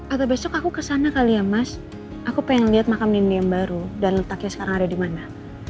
agak besok aku kesana kali ya mas aku pengen liat makam menindi yang baru dan letaknya sekarang ada dimana